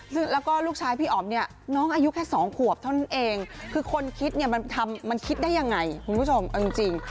ซึ่งแล้วก็ลูกชายพี่อ๋อมเนี่ยน้องอายุแค่๒ขวบเท่านั้นเองคือคนคิดเนี่ยมันทำมันคิดได้ยังไงคุณผู้ชมเอาจริง